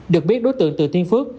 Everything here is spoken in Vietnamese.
được biết đối tượng từ thiên phước